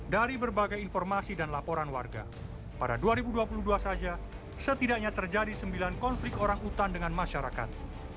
dari berbagai informasi dan laporan warga pada dua ribu dua puluh dua saja setidaknya terjadi sembilan konflik orang utan dengan masyarakat